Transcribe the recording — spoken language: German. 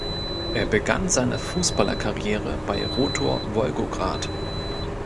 Er begann seine Fußballerkarriere bei Rotor Wolgograd.